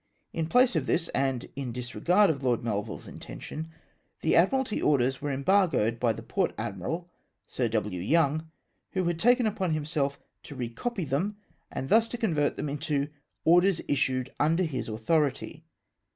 In place of this, and in disregard of Lord Melville's intention, the Admiralty orders were embargoed by the Port Admiral, Sir W. Young, who had taken upon himself to recopy them, and thus to convert them into orders issued under his authority.